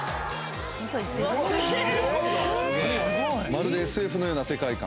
まるでＳＦのような世界観。